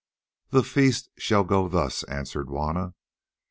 "The feast shall go thus," answered Juanna.